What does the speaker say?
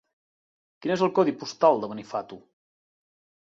Quin és el codi postal de Benifato?